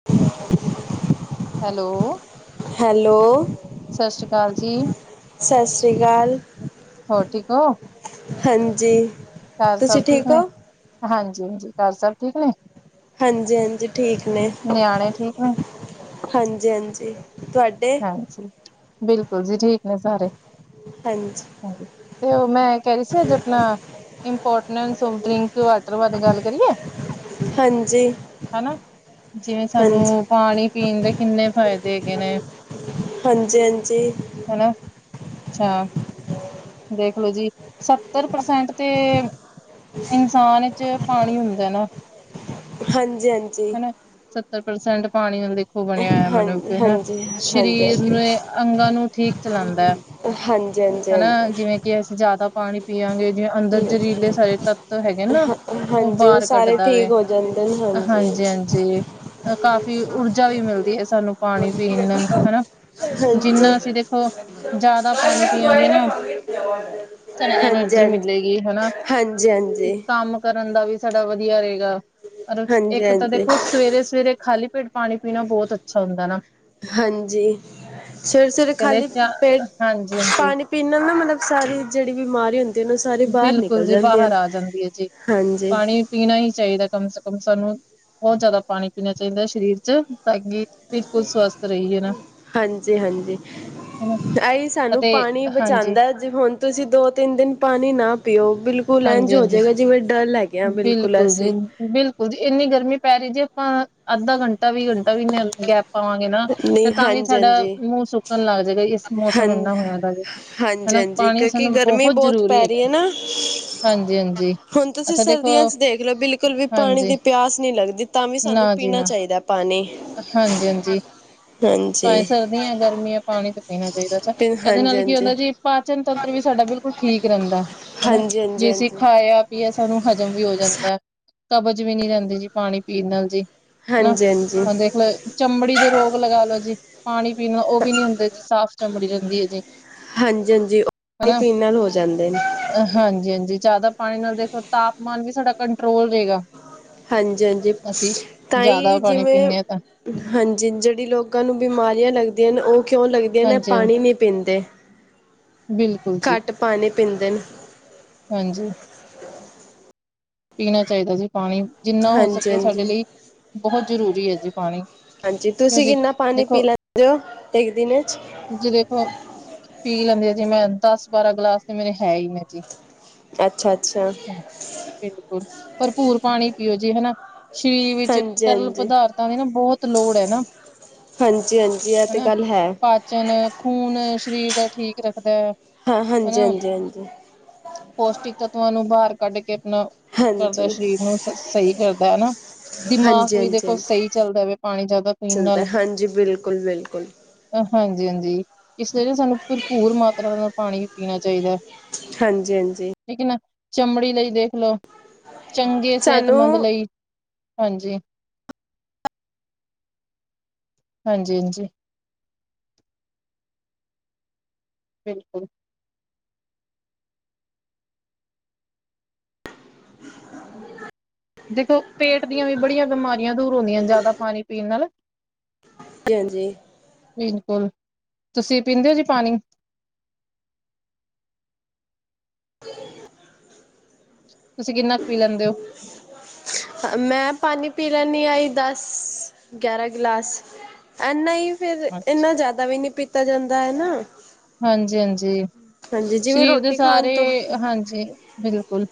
[inaudible] Hello! Hello. ਸਸ੍ਰੀ ਕਾਲ ਜੀ, ਸਤਿ ਸ਼੍ਰੀ ਅਕਾਲ ਹੋਰ ਠੀਕ ਓ? ਹਾਂਜੀ, ਤੁਸੀਂ ਠੀਕ ਓ? ਹਾਂਜੀ-ਹਾਂਜੀ, ਘਰ ਸਭ ਠੀਕ ਨੇ। ਹਾਂਜੀ-ਹਾਂਜੀ, ਠੀਕ ਨੇ, ਨਿਆਣੇ ਠੀਕ ਨੇ? ਹਾਂਜੀ-ਹਾਂਜੀ, ਤੁਹਾਡੇ? ਬਿਲਕੁਲ ਜੀ ਠੀਕ ਨੇ ਸਾਰੇ। ਹਾਂਜੀ। ਹਾਂਜੀ, 'ਤੇ ਓ ਮੈਂ ਕੈ ਰਈ ਸੀ ਅੱਜ ਅਪਨਾ ਇੰਪੋਰਟਨੈਂਸ ਆਫ ਡਰਿੰਕ ਵਾਟਰ ਬਾਰੇ ਗੱਲ ਕਰੀਏ? ਹਾਂਜੀ। ਹਨਾ, ਜਿਵੇਂ ਹਾਂਜੀ ਸਾਨੂੰ ਪਾਨੀ ਪੀਨ ਦੇ ਕਿੰਨੇ ਫ਼ਾਇਦੇ ਹੈਗੇ ਨੇ। ਹਾਂਜੀ-ਹਾਂਜੀ। ਹਨਾ, ਅੱਛਾ। ਦੇਖਲੋ ਜੀ, ਸੱਤਰ ਪ੍ਰਸੈਂਟ 'ਤੇ, ਇਨਸਾਨ ਚ ਪਾਨੀ ਹੁੰਦੈ ਨਾ? ਹਾਂਜੀ-ਹਾਂਜੀ। ਹਨਾ ਸੱਤਰ ਪ੍ਰਸੈਂਟ ਪਾਨੀ ਨਾਲ, ਦੇਖੋ ਓ ਬਣਿਆ ਐ ਹਾਂਜੀ ਹਾਂ ਮਨੁੱਖ, ਹੈਨਾ? ਹਾਂਜੀ ਹਾਂਜੀ ਸਰੀਰ ਹਾਂਜੀ ਨੂੰ, ਅੰਗਾਂ ਨੂੰ ਠੀਕ ਚਲਾਂਦੈ। ਓ ਹਾਂਜੀ-ਹਾਂਜੀ, ਹਾਂਜੀ। ਜਿਵੇਂ ਕਿ ਅਸੀਂ ਜਾਦਾ ਪਾਨੀ ਪੀਆਾਂਗੇ ਜਿਵੇਂ ਅੰਦਰ ਹਾਂ ਜਰੀਲੇ ਸਾਰੇ ਤੱਤ ਹੈਗੇ ਨਾ, ਓ ਹਾਂਜੀ ਉਹ ਬਾਰ ਸਾਰੇ ਕੱਢਦਾ ਵੇ। ਠੀਕ ਹੋ ਜਾਂਦੇ ਨੇ ਹਾਂਜੀ ਹਾਂਜੀ-ਹਾਂਜੀ, ਕਾਫ਼ੀ ਊਰਜਾ ਵੀ ਮਿਲਦੀ ਏ ਸਾਨੂੰ। ਪਾਨੀ ਪੀਨ ਨਾਲ ਹਨਾ, ਹਾਂਜੀ ਜਿੰਨਾ ਅਸੀਂ ਦੇਖੋ, ਜਾਦਾ ਪਾਨੀ ਪੀਆਾਂਗੇ ਹਾਂਜੀ ਨਾ [unintelligible] ਸਾਨੂੰ ਹਾਂਜੀ ਐਨਰਜੀ ਹਾਂਜੀ ਮਿਲੇਗੀ ਹੈਨਾ, ਹਾਂਜੀ ਕੰਮ ਕਰਨ ਦਾ ਵੀ ਸਾਡਾ ਵਦੀਆ ਰਏਗਾ, ਔਰ ਇੱਕ ਤਾਂ ਹਾਂਜੀ ਹਾਂਜੀ ਦੇਖੋ ਸਵੇਰੇ-ਸਵੇਰੇ ਖਾਲੀ ਪੇਟ ਪਾਣੀ ਪੀਣਾ ਬੋਤ ਅੱਛਾ ਹੁੰਦਾ ਨਾ। ਹਾਂਜੀ, ਸਵੇਰੇ-ਸਵੇਰੇ ਕਹਿੰਦੇ ਖਾਲੀ ਚਾ ਪੇਟ ਹਾਂਜੀ ਹਾਂਜੀ ਪਾਣੀ ਪੀਨ ਨਾਲ ਨਾ ਮਤਲਬ ਸਾਰੀ ਜੇੜੀ ਬਿਮਾਰੀ ਹੁੰ ਦੀ ਨਾ ਓ ਸਾਰੀ ਬਾਰ ਬਿਲਕੁਲ ਨਿਕਲ ਜੀ ਜਾਂਦੀਆ, ਹਾਂਜੀ। ਪੀਨਾ ਈ ਚਾਈਦਾ ਕਮ ਸੇ ਕਮ ਸਾਨੂੰ, ਬੋਤ ਜਾਦਾ ਪਾਣੀ ਪੀਨਾ ਚਾਈਦਾ ਸਰੀਰ 'ਚ ਤਾਂ ਕੀ ਹਾਂਜੀ-ਹਾਂਜੀ। ਹਨਾ ਐਈ ਸਾਨੂੰ ਅਤੇ ਪਾਣੀ ਹਾਂਜੀ ਬਚਾਦਾਂ। ਹੁਣ ਤੁਸੀਂ ਦੋ-ਤਿੰਨ ਦਿਨ ਪਾਣੀ ਨਾ ਪੀਓ ਬਿਲਕੁਲ ਬਿਲਕੁਲ ਐਂਝ ਹਾਂਜੀ ਹੋ ਹਾਂਜੀ ਜੇਗਾ ਜਿਵੇਂ ਡਲ ਹੈਗੇ ਆ ਬਿਲਕੁਲ ਅਸੀਂ। ਬਿਲਕੁਲ ਜੀ ਏਨੀ ਗਰਮੀ ਪੈ ਰੀ ਜੀ, ਆਪਾਂ ਅੱਧਾ ਘੰਟਾ ਵੀ ਘੰਟਾ ਵੀ ਨੀ ਗੈਪ ਪਾਵਾਂਗੇ ਨਾ ਤੇ ਨਹੀਂ ਤਾਂ ਵੀ ਸਾਡਾ ਹਾਂਜੀ-ਹਾਂਜੀ। ਮੂੰ ਸੁੱਕਣ ਲੱਗ ਜੇਗਾ ਏਸ ਹਾਂ ਮੌਸਮ ਏਨਾ ਬਣਿਆ ਦਾ ਜੇ। ਹਾਂਜੀ-ਹਾਂਜੀ, ਕਿਉਂਕਿ ਗਰਮੀ ਬੋਤ ਪੈ ਰੀ ਹੈਗਾ ਐ ਨਾ। ਹਾਂਜੀ ਹਾਂਜੀ ਹੁਣ ਤੁਸੀਂ ਅੱਛਾ ਦੇਖੋ ਸਰਦੀਆਂ 'ਚ ਦੇਖ ਲੋ ਬਿਲਕੁਲ ਵੀ ਪਾਣੀ ਹਾਂਜੀ ਦੀ ਪਿਆਸ ਨੀ ਲੱਗਦੀ। ਤਾਂ ਵੀ ਸਾਨੂੰ ਪੀਨਾ ਚਾਈਦਾ ਪਾਨੀ। ਹਾਂਜੀ-ਹਾਂਜੀ। ਹਾਂਜੀ ਭਾਵੇ ਸਰਦੀਆਂ- ਗਰਮੀਆਂ ਪਾਣੀ ਤਾਂ ਪੀਣਾ ਚਾਈਦਾ। ਏਦੇ ਨਾਲ ਕੀ ਹਾਂਜੀ-ਹਾਂਜੀ। ਹੁੰਦਾ ਜੀ ਪਾਚਨ ਤੰਤਰ ਵੀ ਸਾਡਾ ਬਿਲਕੁਲ ਠੀਕ ਰੈਂਦਾ। ਹਨਾ, ਹਾਂਜੀ ਹਾਂਜੀ ਜੇ ਹਾਂਜੀ ਅਸੀਂ ਖਾਇਆ ਪੀਆ ਸਾਨੂੰ ਹਜ਼ਮ ਵੀ ਹੋ ਜਾਂਦਾ, ਕਬਜ਼ ਵੀ ਨੀ ਰੈਂਦੀ ਜੀ ਪਾਣੀ ਪੀਨ ਨਾਲ ਜੀ। ਹਾਂਜੀ-ਹਾਂਜੀ। ਵਈ ਚਮੜੀ ਦੇ ਰੋਗ ਲਗਾ ਲੋ ਜੀ। ਪਾਣੀ ਪੀਣ ਨਾਲ ਓ ਵੀ ਨੀ ਹੁੰਦੇ ਜੀ ਸਾਫ਼ ਚਮੜੀ ਰੈਂਦੀ ਏ ਜੀ। ਹਾਂਜੀ-ਹਾਂਜੀ ਓ ਪਾਣੀ ਪੀਣ ਨਾਲ ਹੋ ਜਾਂਦੇ ਨੇ। ਹਾਂਜੀ-ਹਾਂਜੀ, ਜਾਦਾ ਪਾਣੀ ਨਾਲ ਦੇਖੋ ਤਾਪਮਾਨ ਵੀ ਸਾਡਾ ਕੰਟਰੋਲ ਰਏਗਾ। ਹਾਂਜੀ-ਹਾਂਜੀ, ਜ਼ਿਆਦਾ ਤਾਂਈ ਪਾਣੀ ਜਿਵੇਂ ਪੀਂਦੇ ਹਾਂ ਤਾਂ ਹਾਂਜੀ-ਹਾਂਜੀ ਜੇੜੀ ਲੋਕਾਂ ਨੂੰ ਬਿਮਾਰੀਆਂ ਲੱਗਦੀਆਂ ਨੇ, ਓ ਕਿਉਂ ਲੱਗਦੀਆਂ ਨੇ ਹਾਂਜੀ ਪਾਣੀ ਨੀ ਪੀਂਦੇ। ਬਿਲਕੁਲ ਜੀ। ਪਾਨੀ ਪੀਂਦੇ ਨੇ। ਹਾਂਜੀ। ਪੀਣਾ ਚਾਈਦਾ ਜੀ ਪਾਨੀ, ਜਿੰਨਾ ਹੋ ਹਾਂਜੀ ਸਕੇ ਸਾਡੇ ਹਾਂਜੀ ਲਈ ਬਹੁ ਜ਼ਰੂਰੀ ਐ ਜੀ ਪਾਣੀ। ਹਾਂਜੀ ਕਿਉਂ ਤੁਸੀ ਜੀ ਕਿੰਨਾ ਪਾਣੀ ਪੀ ਦੇਖੋ ਲੈਂਦੇ ਓ ਇੱਕ ਦਿਨ 'ਚ? ਜੇ ਵੇਖੋ, ਪੀ ਲੈਂਦੀ ਆ ਜੀ ਮੈਂ ਦਸ- ਬਾਰਾਂ ਗਲਾਸ ਤੇ ਮੇਰੇ ਹੈ ਈ ਨੇ ਜੀ। ਅੱਛਾ- ਅੱਛਾ। ਬਿਲਕੁਲ, ਭਰਪੂਰ ਪਾਣੀ ਪੀਓ ਜੀ ਹਨਾ। ਸਰੀਰ ਵਿੱਚ ਹਾਂਜੀ ਤਰਲ ਹਾਂਜੀ ਪਦਾਰਥਾਂ ਦੀ ਨਾ ਬੋਤ ਲੋੜ ਐ ਨਾ। ਹਾਂਜੀ ਹਾਂਜੀ ਇਹ ਤੇ ਹਨਾ। ਗੱਲ ਹੈ ਪਾਚਨ, ਖੂਨ ਸ਼ਰੀਰ ਦਾ ਠੀਕ ਰੱਖਦਾ। ਹਾਂ, ਹਨਾ ਹਾਂਜੀ-ਹਾਂਜੀ-ਹਾਂਜੀ। ਪੌਸ਼ਟਿਕ ਤੱਤਵਾਂ ਨੂੰ ਬਾਰ ਕੱਢ ਕੇ ਆਪਣਾ ਕਰਦਾ ਹਾਂਜੀ ਹਾਂਜੀ ਸ਼ਰੀਰ ਨੂੰ ਸ ਸਈ ਕਰਦਾ ਐ ਨਾ। ਦਿਮਾਕ ਹਾਂਜੀ ਵੀ ਦੇਖੋ ਹਾਂਜੀ ਸਈ ਚੱਲਦਾ ਵੈ ਪਾਨੀ ਜਾਦਾ ਪੀਨ ਚੱਲਦਾ ਨਾਲ। ਹਾਂਜੀ ਬਿਲਕੁਲ ਬਿਲਕੁਲ ਹਾਂਜੀ-ਹਾਂਜੀ ਇਸ ਲਈ ਸਾਨੂੰ ਭਰਪੂਰ ਮਾਤਰਾ ਨਾਲ ਪਾਨੀ ਪੀਨਾ ਚਾਈਦਾ। ਹਾਂਜੀ- ਹਾਂਜੀ। ਠੀਕ ਐ ਨਾ ਚਮੜੀ ਲਈ ਦੇਖਲੋ, ਚੰਗੇ ਸਾਨੂੰ ਸੇਤਮੰਦ ਲਈ। ਹਾਂਜੀ। ਹਾਂਜੀ-ਹਾਂਜੀ। ਬਿਲਕੁਲ। ਦੇਖੋ ਪੇਟ ਦੀਆਂ ਵੀ ਬੜੀਆਂ ਬਮਾਰੀਆਂ ਦੂਰ ਹੁੰਦੀਆਂ ਜਾਦਾ ਪਾਨੀ ਪੀਨ ਨਾਲ। ਜ ਹਾਂਜੀ। ਬਿਲਕੁਲ ਤੁਸੀ ਪੀਂਦੇ ਓ ਜੀ ਪਾਨੀ। ਤੁਸੀ ਕਿੰਨਾ ਕ ਪੀ ਲੈਂਦੇ ਓ। ਮੈਂ ਪਾਨੀ ਪੀ ਲੈਨੀ ਆ ਈ ਦਸ, ਗਿਆਰਾਂ ਗਲਾਸ। ਏਨਾ ਈ ਫੇਰ ਏਨਾ ਅੱਛਾ, ਜਾਦਾ ਵੀ ਨੀ ਪੀਤਾ ਜਾਂਦਾ ਏ ਨਾ। ਹਾਂਜੀ-ਹਾਂਜੀ ਹਾਂਜੀ ਜਿਵੇਂ ਸਰੀਰ ਦੇ ਰੋਟੀ ਖਾਣ ਸਾਰੇ ਤੋਂ ਹਾਂਜੀ। ਜੀ ਬਿਲਕੁਲ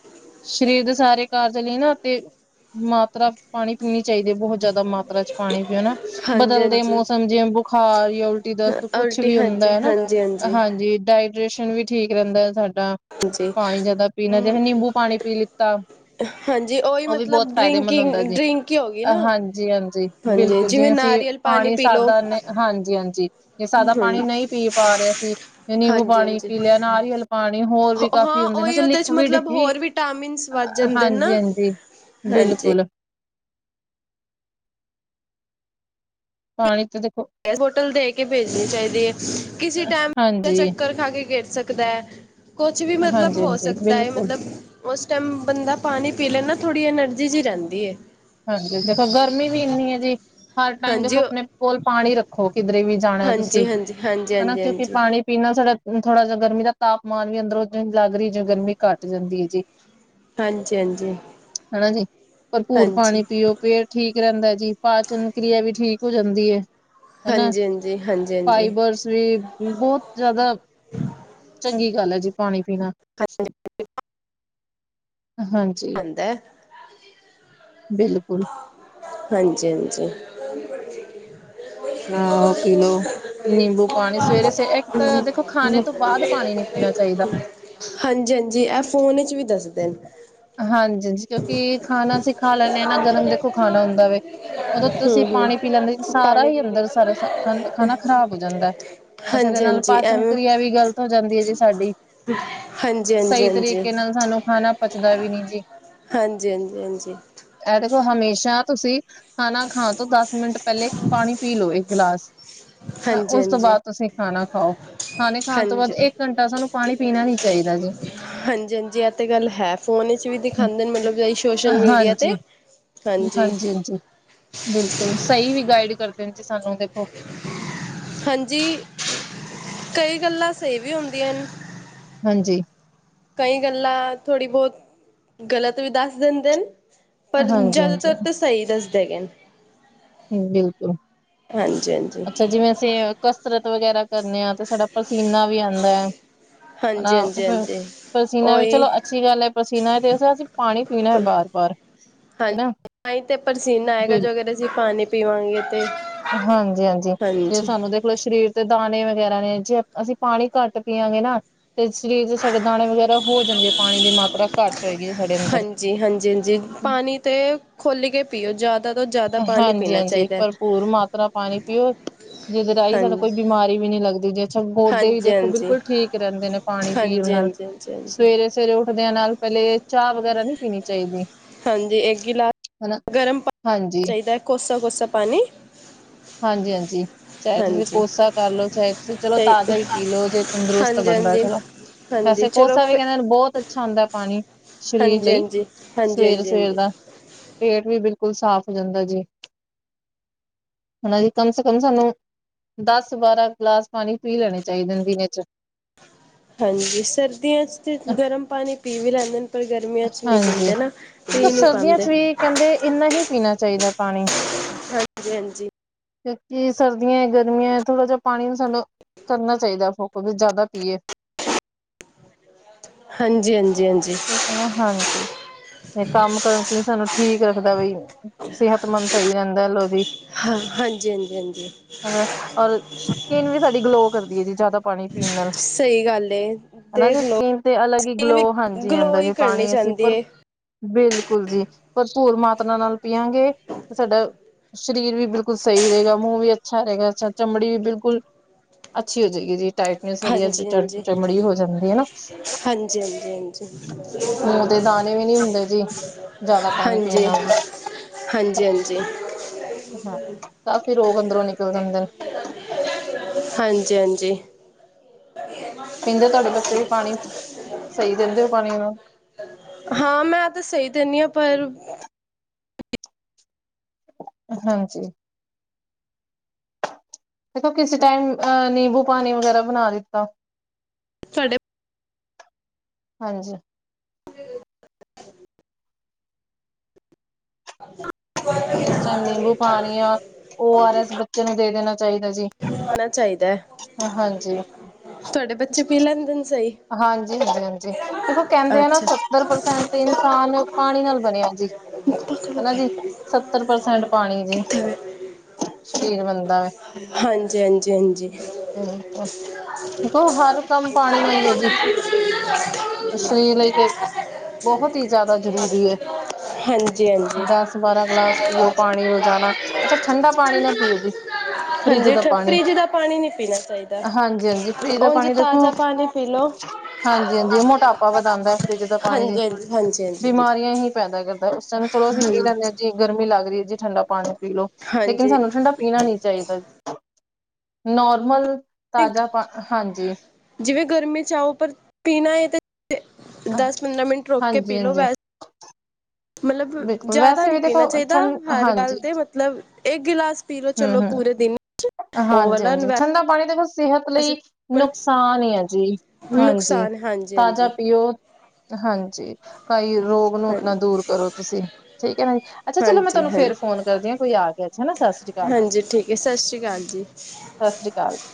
ਸਰੀਰ ਦੇ ਸਾਰੇ ਕਾਰਜ ਲਈ ਨਾ ਤੇ ਮਾਤਰਾ ਪਾਨੀ ਪੀਨੀ ਚਾਈਦੀ ਏ ਬਹੁਤ ਜਾਦਾ ਮਾਤ ਰਾ ਚ ਪਾਨੀ ਪੀਓ ਨਾ, ਹਾਂਜੀ ਬਦਲਦੇ ਹਾਂਜੀ ਮੌਸਮ ਜਿਵੇਂ ਬੁਖਾਰ ਯਾਂ ਉਲਟੀ ਦਸਤ ਕੁਛ ਉਲਟੀ ਵੀ ਹਾਂਜੀ ਹੁੰਦੈ ਨਾ ਹਾਂਜੀ ਹਾਂਜੀ। ਜੀ ਡਾਇਡ੍ਰੇਸ਼ਨ ਵੀ ਠੀਕ ਰੇਂਦਾ ਸਾਡਾ, ਹਾਂਜੀ ਪਾਨੀ ਜਾਦਾ ਪੀਨ ਜਿਵੇਂ ਨਿੰਬੂ ਪਾਨੀ ਪੀ ਲ। ਤਾ ਹਾਂਜੀ ਉਹੀ ਉ ਵੀ ਬੋਤ ਮਤਲਬ ਫੈਦੇਮੰਦ ਹੁੰਦਾ ਡਰਿੰਕਿੰਗ ਜੇ। ਡਰਿੰਕ ਹੀ ਹੋ ਗਈ ਨਾ ਹਾਂਜੀ- ਹਾਂਜੀ ਹਾਂਜੀ ਬਿਲਕੁਲ ਜਿਵੇਂ ਜੀਂਵੇ ਅਸੀ ਨਾਰੀਅਲ ਪਾਣੀ ਪਾਨੀ ਪੀ ਲਓ ਸਾਦਾ, ਹਾਂਜੀ-ਹਾਂਜੀ ਜੇ ਸਾਦਾ ਹਾਂਜੀ ਪਾਨੀ ਨਈ ਪੀ ਪਾ ਰੇ ਅ ਸੀ ਨਿੰਬੂ ਹਾਂਜੀ ਪਾਨੀ ਹਾਂਜੀ ਪੀ ਲਿਆ, ਨਾਰੀਅਲ ਪਾਨੀ, ਹੋਰ ਵੀ ਕਾਫ਼ੀ ਹਾਂ ਹੁੰਦੇ ਨਾ ਉਹੀ ਉਹਦੇ ਚ ਲਿਕਵਿਡ ਮਤਲਬ ਹੀ ਹੋਰ ਵਿਟਾਮਿਨਸ ਵੱਧ ਜਾਂਦੇ ਨਾ। ਹਾਂਜੀ-ਹਾਂਜੀ ਹਾਂਜੀ ਬਿਲਕੁਲ। ਪਾਨੀ ਤਾ ਦੇਖੋ ਬੋਤਲ ਦੇ ਕੇ ਭੇਜਨੀ ਚਾਈਦੀ ਏ। ਕਿਸੇ ਟੈਮ ਹਾਂਜੀ ਚੱਕਰ ਖਾ ਕੇ ਗਿਰ ਸਕਦੈ। ਕੁਛ ਵੀ ਮਤਲਬ ਹੋ ਹਾਂਜੀ-ਹਾਂਜੀ ਸਕਦਾ ਐ ਬਿਲਕੁਲ ਮਤਲਬ ਉਸ ਟੈਮ ਬੰਦਾ ਪਾਨੀ ਪੀ ਲੈ ਨਾ, ਥੋੜੀ ਐਨਰਜੀ ਜੀ ਰੈਂਦੀ ਏ। ਹਾਂਜੀ ਦੇਖੋ ਗਰਮੀ ਵੀ ਏਨੀ ਏ ਜੀ, ਹਰ ਟਾਈਮ ਦੇਖੋ ਹਾਂਜੀ ਆਪਨੇ ਕੋਲ ਪਾਣੀ ਰੱਖੋ ਕਿਧਰੇ ਵੀ ਜਾਣਾ ਤੁਸੀ, ਹਾਂਜੀ ਹਾਂਜੀ ਹਾਂਜੀ ਹਨਾ ਹਾਂਜੀ ਕਿਉਂਕਿ ਪਾਨੀ ਪੀਨ ਨਾਲ ਸਾਡਾ ਥੋੜਾ ਜੇ ਗਰਮੀ ਦਾ ਤਾਪਮਾਨ ਵੀ ਅੰਦਰੋਂ ਲੱਗਰੀ ਐ ਜੇ ਗਰਮੀ ਘੱਟ ਜਾਂਦੀ ਏ ਜੀ। ਹਾਂਜੀ ਹਾਂਜੀ ਹਨਾ ਜੀ ਭਰਪੂਰ ਹਾਂਜੀ ਹਾਂਜੀ ਵੀ ਓ ਪੇਟ ਠੀਕ ਰੇਂਦਾ ਐ ਜੀ, ਪਾਚਨ ਕ੍ਰਿਆ ਵੀ ਠੀਕ ਹੋ ਜਾਂਦੀ ਐ। ਹਨਾ, ਹਾਂਜੀ ਹਾਂਜੀ ਹਾਂਜੀ ਹਾਂਜੀ ਹਾਂਜੀ ਫਾਈਬਰਸ ਵੀ ਬੋਤ ਜਾਦਾ, ਚੰਗੀ ਗੱਲ ਐ ਜੀ ਪਾਨੀ ਪੀਨਾ। ਹਾਂਜੀ। [unintelligible] ਬਿਲਕੁਲ। ਹਾਂਜੀ-ਹਾਂਜੀ। ਹਾਂ ਓ ਪੀਲੋ। ਨਿੰਬੂ ਪਾਨੀ ਸਵੇਰੇ ਸ ਏਕ ਤਾਂ ਦੇਖੋ ਖਾਨੇ ਤੋਂ ਬਾਦ ਪਾਨੀ ਨੀ ਪੀਨਾ ਚਾਈਦਾ। ਹਾਂਜੀ-ਹਾਂਜੀ ਐ ਫੋਨ ਵਿੱਚ ਵੀ ਦੱਸਦੇ ਨੇ ਹਾਂਜੀ-ਹਾਂਜੀ। ਕਿਉਂਕਿ ਖਾਨਾ ਅਸੀਂ ਖਾ ਲੈਂਨੇ ਹਾਂ ਨਾ, ਗਰਮ ਦੇਖੋ ਖਾਨਾ ਹੁੰਦਾ ਵੇ ਉਦੋਂ ਤੁਸੀਂ ਹਮ ਪਾਣੀ ਪੀ ਲੈਂਦੇ ਹਮ ਸਾਰਾ ਪਾਣੀ ਹੀ ਪੀ ਲਈ ਅੰਦਰ ਸਾਰਾ ਖ ਖਾਨਾ ਖ਼ਰਾਬ ਹੋ ਜਾਂਦੈ ਅੱਛਾ ਤੇ ਹਾਂਜੀ ਨਾਲ ਹਾਂਜੀ ਪਾਚਨ ਐਵੇਂ ਕਿਰਿਆ ਵੀ ਗ਼ਲਤ ਹੋ ਜਾਂਦੀ ਏ ਜੀ ਸਾਡੀ ਹਾਂਜੀ ਹਾਂਜੀ ਸਈ ਹਾਂਜੀ ਤਰੀਕੇ ਨਾਲ ਸਾਨੂੰ ਖਾਨਾ ਪਚਦਾ ਵੀ ਨੀ ਜੀ। ਹਾਂਜੀ- ਹਾਂਜੀ- ਹਾਂਜੀ। ਐ ਦੇਖੋ ਹਮੇਸ਼ਾ ਤੁਸੀਂ ਖਾਨਾ ਖਾਨ ਤੋਂ ਦਸ ਮਿੰਟ ਪੈਲੇ ਪਾਨੀ ਪੀ ਲੋ ਏ ਗਿਲਾਸ ਹਨਾ ਓਸ ਤੋਂ ਹਾਂਜੀ ਬਾਦ ਤੁਸੀਂ ਖਾਣਾ ਖਾਓ। ਖਾਣੇ ਖਾਣ ਤੋਂ ਬਾਦ ਹਾਂਜੀ ਹਾਂਜੀ ਇੱਕ ਘੰਟਾ ਸਾਨੂੰ ਪਾਣੀ ਪੀਣਾ ਨੀ ਚਾਈਦਾ ਜੀ। ਹਾਂਜੀ ਹਾਂਜੀ ਐ ਤੇ ਗੱਲ ਹੈ ਫੋਨ ਵਿੱਚ ਵੀ ਦਿਖਾਂਦੇ ਮਤਲਬ ਸੋਸ਼ਲ ਮੀਡੀਆਂ ਤੇ ਹਾਂਜੀ ਹਾਂਜੀ। ਬਿਲਕੁਲ ਸਈ ਵੀ ਗਾਈਡ ਕਰਦੇ ਨੇ ਜੀ ਸਾਨੂੰ ਦੇਖੋ। ਹਾਂਜੀ ਕਈ ਗੱਲਾਂ ਸਈ ਵੀ ਹੁੰਦੀਆ ਨੇ। ਹਾਂਜੀ ਕਈ ਗੱਲਾ ਥੋੜ੍ਹੀ ਬੋਤ ਗਲਤ ਵੀ ਦੱਸ ਦਿੰਦੇ ਨੇ। ਪਰ ਹਾਂਜੀ ਹਾਂਜੀ ਜ਼ਾਦਾਤਰ ਤੇ ਸਈ ਦੱਸਦੇ ਹੈਗੇ ਨੇ। ਹੂੰ ਬਿਲਕੁਲ ਹਾਂਜੀ ਹਾਂਜੀ ਅੱਛਾ ਜਿਵੇ ਅਸੀ ਕਸਰਤ ਵਗੈਰਾ ਕਰਨੇ ਆ ਤੇ ਸਾਡਾ ਪਸੀਨਾ ਵੀ ਆਂਦਾ ਏ। ਹਾਂਜੀ ਹਾਂਜੀ ਹਾਂਜੀ। ਪਸੀਨਾ ਵੀ ਉਹੀ ਚਲੋ ਅੱਛੀ ਗੱਲ ਐ, ਪਸੀਨਾ ਤੇ ਅਸੀਂ ਪਾਣੀ ਪੀਣਾ ਏ ਬਾਰ ਬਾਰ। ਹਨਾ ਤਾਈੰ ਤੇ ਪਰਸੀਨਾ ਆਏਗਾ ਬਿਲ ਜੋ ਅਗਰ ਅਸੀ ਪਾਣੀ ਪੀਵਾਂਗੇ ਤੇ। ਹਾਂਜੀ ਹਾਂਜੀ ਜੇ ਸਾਨੂੰ ਦੇਖ ਪੂੂਰੇ ਸਰੀਰ ਤੇ ਦਾਣੇ ਵਗੈਰਾ ਨੇ, ਜੇ ਅਸੀਂ ਪਾਣੀ ਘੱਟ ਪੀਆਂ ਗੇ ਨਾ। ਤੇ ਸਰੀਰ ਵਿਚ ਸਾਡੇ ਦਾਣੇ ਵਗੈਰਾ ਹੋ ਜਾਂਦੇ, ਪਾਣੀ ਦੀ ਮਾਤਰਾ ਘੱਟ ਹੋਏਗੀ ਜੇ ਸਾਡੇ ਅੰਦਰ। ਜੀ ਹਾਂਜੀ ਹਾਂਜੀ ਪਾਣੀ ਤੇ ਖੁਲ ਕੇ ਪੀਓ ਜ਼ਿਆਦਾ ਤੋਂ ਜ਼ਿਆਦਾ ਪਾਣੀ ਹਾਂਜੀ ਪੀਣਾ ਹਾਂਜੀ ਚਾਹੀਦਾ ਹੈ ਭਰਪੂਰ ਮਾਤਰਾ ਪਾਣੀ ਪੀਓ। ਜੀਦੇ ਰਾਈ ਸਾਨੂੰ ਹਾਂਜੀ ਕੋਈ ਬਿਮਾਰੀ ਵੀ ਨੀ ਲੱਗਦੀ। ਜੇ ਅਛਾ ਗੋਡੇ ਵੀ ਹਾਂਜੀ ਦੇਖੋ ਹਾਂਜੀ ਬਿਲਕੁਲ ਠੀਕ ਰੈਂਦੇ ਨੇ ਪਾਣੀ ਪੀਣ ਨਾਲ। [unintelligible] ਸਵੇਰੇ ਸਵੇਰੇ ਉੱਠਦਿਆਂ ਨਾਲ ਪੈਲੇ ਏ ਚਾਅ ਵਗੈਰਾ ਨੀ ਹਾਂਜੀ ਇੱਕ ਗਿਲਾਸ ਹਨਾ ਗਰਮ ਪਾਣੀ ਹਾਂਜੀ ਚਾਈਦਾ, ਕੋਸਾ- ਕੋਸਾ ਪਾਣੀ। ਹਾਂਜੀ- ਹਾਂਜੀ। ਚਾਏ ਤੁਸੀਂ ਹਾਂਜੀ ਕੋਸਾ ਕਰ ਲੋ, ਚਾਏ ਤੁਸੀਂ ਚਲੋ ਤੇ ਤਾਜ਼ਾ ਈ ਪੀ ਲੋ, ਜੇ ਤੰਦਰੁਸਤ ਹਾਂਜੀ ਬਣਦਾ ਏ ਹਾਂਜੀ ਚਲੋ। ਹਾਂਜੀ ਵੈਸੇ ਚਲੋ ਕੋਸਾ ਵੀ ਫਿਰ ਕੈਂਦੇ ਨੇ ਬੋਤ ਅੱਛਾ ਹੁੰਦਾ ਪਾਣੀ, ਸਰੀਰ ਹਾਂਜੀ ਲਈ ਹਾਂਜੀ ਹਾਂਜੀ ਸਵੇਰੇ ਹਾਂਜੀ ਸਵੇਰ ਹਾਂਜੀ ਦਾ। ਪੇਟ ਵੀ ਬਿਲਕੁਲ ਸਾਫ਼ ਹੋ ਜਾਂਦਾ ਜੀ। ਹੁਨਾ ਜੀ ਕਮ ਸੇ ਕਮ ਸਾਨੂੰ ਦਸ -ਬਾਰਾਂ ਗਲਾਸ ਪਾਣੀ ਪੀ ਲੈਣੇ ਚਾਈਦੇ ਨੇ ਦਿਨੇ 'ਚ। ਹਾਂਜੀ ਸਰਦੀਆਂ 'ਚ ਤੇ ਗਰਮ ਪਾਣੀ ਪੀ ਵੀ ਲੈਂਦੇ ਨੇ, ਪਰ ਗਰਮੀਆਂ 'ਚ ਨੀ ਹਾਂਜੀ ਪੀਂਦੇ ਨਾ। ਪੀ ਨੀ ਪਾਂਦੇ। ਏਨਾ ਹੀ ਪੀਣਾ ਚਾਈਦਾ ਪਾਣੀ। ਹਾਂਜੀ- ਹਾਂਜੀ। ਕਿਉਂਕਿ ਸਰਦੀਆਂ ਐ, ਗਰਮੀਆਂ ਐ, ਥੋੜਾ ਜਿਆ ਪਾਣੀ ਵੀ ਸਾਨੂੰ ਕਰਨਾ ਚਾਈਦਾ ਫੋਕ ਵੀ ਜ਼ਾਦਾ ਪੀਏ। ਹਾਂਜੀ- ਹਾਂਜੀ -ਹਾਂਜੀ। ਤੇ ਹਨਾ, ਹਾਂਜੀ ਤੇ ਕੰਮ ਕਰਨ 'ਚ ਵੀ ਸਾਨੂੰ ਠੀਕ ਰੱਖ ਦਾ ਵੀ ਸਿਹਤਮੰਦ ਸਈ ਰੈੈਦਾ ਲੋਦੀ ਹਾਂ ਹਾਂਜੀ- ਹਾਂਜੀ -ਹਾਂਜੀ। ਔਰ ਸਕਿਨ ਵੀ ਸਾਡੀ ਗਲੋ ਕਰਦੀ ਏ ਜੀ ਜ਼ਾਦਾ ਪਾਣੀ ਪੀਣ ਨਾਲ। ਸਹੀ ਗੱਲ ਏ ਹੈਨਾ ਦੇਖ ਜੀ ਲਓ ਸਕਿਨ ਤੇ ਅਲੱਗ ਈ ਸਕਿਨ ਵੀ ਗਲੋ ਹਾਂਜੀ ਗਲੋ ਆਂਦਾ ਹੀ ਜੀ, ਕਰਨੀ ਪਾਣੀ ਅਸੀਂ ਚਾਹੁੰਦੀ ਪਰ ਏ ਬਿਲਕੁਲ ਜੀ ਭਰਪੂਰ ਮਾਤਾਰਾ ਨਾਲ ਪੀਆਂਗੇ ਤੇ ਸਾਡਾ ਸਰੀਰ ਵੀ ਬਿਲਕੁਲ ਸਈ ਰਏਗਾ, ਮੂੰਹ ਵੀ ਅੱਛਾ ਰਏਗਾ ਅੱਛਾ, ਚਮੜੀ ਵੀ ਬਿਲਕੁਲ ਅੱਛੀ ਹੋ ਜੇਗੀ ਜੀ, ਟਾਈਟਨੈਸ ਵਧੀਆ ਚ ਹਾਂਜੀ ਚੜ ਹਾਂਜੀ ਚਮੜੀ ਹੋ ਜਾਂਦੀ ਏ ਨਾ‌। ਹਾਂਜੀ ਹਾਂਜੀ ਹਾਂਜੀ ਹਾਂਜੀ ਮੂੰ ਤੇ ਦਾਣੇ ਵੀ ਨੀ ਹੁੰਦੇ ਜੀ ਜ਼ਾਦਾ ਪਾਣੀ ਪੀਣ ਨਾਲ਼। ਹਾਂਜੀ! ਹਾਂਜੀ! ਹਾਂ! ਕਾਫ਼ੀ ਰੋਗ ਅੰਦਰੋਂ ਨਿਕਲ ਜਾਂਦੇ ਨੇ। ਹਾਂਜੀ! ਹਾਂਜੀ! ਪੀਂਦੇ ਤੁਹਾਡੇ ਬੱਚੇ ਵੀ ਪਾਣੀ ਸਹੀ ਦਿੰਦੇ ਹੋ ਪਾਣੀ ਨੂੰ। ਹਾਂ! ਮੈਂ ਤਾਂ ਸਹੀ ਦਿੰਦੀ ਹਾਂ ਪਰ। ਹਾਂਜੀ! ਦੇਖੋ ਕਿਸੇ ਟਾਈਮ ਅਹ ਨਿੰਬੂ ਪਾਣੀ ਵਗੈਰਾ ਬਣਾ ਦਿੱਤਾ। ਤੁਹਾਡੇ ਹਾਂਜੀ! ਇਸ ਟਾਈਮ ਨਿੰਬੂ ਪਾਣੀ ਆ ਓ ਆਰ ਐਸ ਬੱਚੇ ਨੂੰ ਦੇ ਦੇਣਾ ਚਾਹੀਦਾ ਜੀ। ਆਣਾ ਚਾਹੀਦਾ ਹਾਂਜੀ ਤੁਹਾਡੇ ਬੱਚੇ ਪੀ ਲੈਂਦੇ ਨੇ ਸਹੀ। ਹਾਂਜੀ! ਹਾਂਜੀ! ਹਾਂਜੀ! ਦੇਖੋ ਕਹਿੰਦੇ ਆ ਨਾ ਅੱਛਾ ਸੱਤਰ ਪਰਸੈਂਟ। ਤੇ ਇਨਸਾਨ ਪਾਣੀ ਨਾਲ ਬਣਿਆ ਜੀ। ਹਨਾ ਜੀ ਸੱਤਰ ਪਰਸੈਂਟ ਪਾਣੀ ਜੀ ਸਰੀਰ ਬਣਦਾ ਹੈ। ਹਾਂਜੀ ਹਾਂਜੀ ਹਾਂਜੀ ਹਾਂਜੀ ਬਿਲਕੁਲ! ਦੇਖੋ ਹਰ ਕੰਮ ਪਾਣੀ ਨਾਲ ਹੀ। ਜੀ ਸਰੀਰ ਲਈ ਤੇ ਬਹੁਤ ਹੀ ਜ਼ਿਆਦਾ ਜ਼ਰੂਰੀ ਹੈ। ਹਾਂਜੀ! ਹਾਂਜੀ! ਦਸ ਬਾਰਾਂ ਗਲਾਸ ਪੀਓ ਪਾਣੀ ਰੋਜ਼ਾਨਾ ਅੱਛਾ ਠੰਡਾ ਪਾਣੀ ਨਾ ਪੀਓ ਜੀ। ਫਰਿਜ਼ ਹਾਂਜੀ ਦਾ ਪਾਣੀ ਫਰਿੱਜ ਦਾ ਪਾਣੀ ਨਹੀਂ ਪੀਣਾ ਚਾਹੀਦਾ ਹਾਂਜੀ ਹਾਂਜੀ ਫਰਿਜ਼ ਦਾ ਉਝ ਪਾਣੀ ਦੇਖੋ। ਤਾਜ਼ਾ ਪਾਣੀ ਪੀ ਲਓ ਹਾਂਜੀ! ਹਾਂਜੀ! ਮੋਟਾਪਾ ਵਧਾਉਂਦਾ ਫਰਿੱਜ ਦਾ ਪਾਣੀ ਜੀ ਹਾਂਜੀ ਹਾਂਜੀ ਹਾਂਜੀ ਹਾਂਜੀ ਹਾਂਜੀ ਬਿਮਾਰੀਆਂ ਹੀ। ਪੈਦਾ ਕਰਦਾ ਓਸ ਟਾਈਮ ਚਲੋ ਅਸੀਂ ਪੀ ਹਾਂਜੀ ਲੈਂਦੇ ਹਾਂ ਜੀ ਗਰਮੀ ਲੱਗ ਰਹੀ ਹੈ ਜੀ ਠੰਡਾ ਪਾਣੀ ਪੀ ਲੋ ਲੇਕਿਨ ਹਾਂਜੀ ਸਾਨੂੰ ਠੰਡਾ। ਪੀਣਾ ਨਹੀਂ ਚਾਹੀਦਾ ਨੋਰਮਲ ਤਾਜ਼ਾ ਪਾਣੀ ਹਾਂਜੀ। ਜਿਵੇਂ ਗਰਮੀ 'ਚ ਆਓ ਪਰ ਪੀਣਾ ਹੈ ਤੇ ਦਸ ਪੰਦਰਾਂ ਮਿੰਟ ਰੋਕ ਕੇ ਹਾਂਜੀ ਪੀ ਲੋੋ ਹਾਂਜੀ ਵੈਸੇ। ਮਤਲਬ ਬਿਲਕੁਲ ਜਿਆਦਾ ਵੈਸੇ ਨੀ ਵੀ ਦੇਖੋ ਪੀਣਾ ਚਾਹੀਦਾ ਠੰ ਹਰ ਗੱਲ ਹਾਂਜੀ ਤੇ ਮਤਲਬ ਇੱਕ ਗਿਲਾਸ। ਪੀ ਲੋ ਹਮ ਚਲੋ ਹਮ ਪੂਰੇ ਦਿਨ 'ਚ। ਹਾਂਜੀ! ਹਾਂਜੀ! ਠੰਡਾ ਪਾਣੀ ਦੇਖੋ ਸਿਹਤ ਵੈਸੇ ਲਈ ਨੁਕਸਾਨ ਹੀ ਹੈ ਜੀ। ਹਾਂਜੀ! ਨੁਕਸਾਨ ਹਾਂਜੀ ਤਾਜ਼ਾ ਹਾਂਜੀ ਪੀਓ ਹਾਂਜੀ! ਕਈ ਰੋਗ ਨੂੰ ਆਪਣਾ ਹਾਂਜੀ ਦੂਰ ਕਰੋ ਤੁਸੀਂ। ਠੀਕ ਹੈ ਨਾ ਜੀ ਅੱਛਾ ਚਲੋ ਮੈਂ ਹਾਂਜੀ ਤੁਹਾਨੂੰ ਹਾਂਜੀ ਫੇਰ ਫ਼ੋਨ ਕਰਦੀ ਹਾਂ ਕੋਈ ਆ ਗਿਆ ਹੈ ਸਤਿ ਸ਼੍ਰੀ। ਹਾਂਜੀ! ਠੀਕ ਹੈ ਸਤਿ ਸ਼੍ਰੀ ਅਕਾਲ ਜੀ। ਸਤਿ ਸ਼੍ਰੀ ਅਕਾਲ ਜੀ!